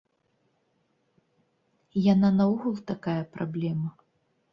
Яна наогул такая праблема.